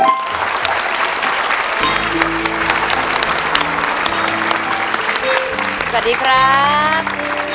สวัสดีครับ